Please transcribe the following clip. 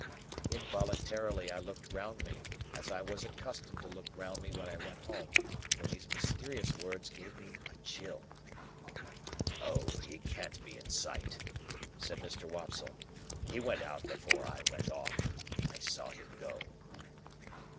Involuntarily I looked round me, as I was accustomed to look round me when I went home; for these mysterious words gave me a chill. "Oh! He can't be in sight," said Mr. Wopsle. "He went out before I went off. I saw him go."